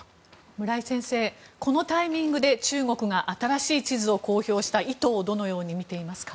村井先生このタイミングで中国が新しい地図を公表した意図をどのように見ていますか？